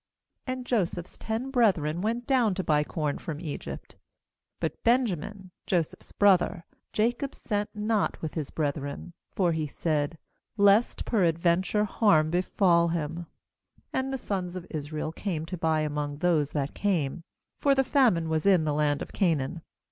lAnd Joseph's ten brethren went down to buy corn from Egypt. 4But Benjamin, Joseph's brother, Jacob sent not with his breth ren; for he said: harm befall him.' Israel came to buy among those that came; for the famine was in the land of Canaan.